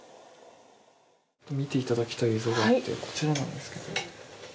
見ていただきたい映像があって、こちらなんですけれども。